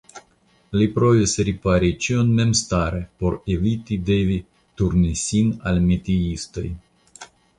Li provis ripari ĉion memstare por eviti devi turni sin al metiistoj.